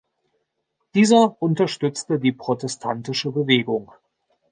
Dieser unterstützte die protestantische Bewegung.